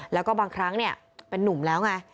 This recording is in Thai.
แล้วก็บางครั้งเป็นนุ่มแล้วไง